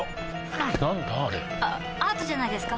あアートじゃないですか？